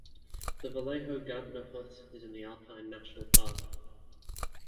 The Vallejo Gantner Hut is in the Alpine National Park.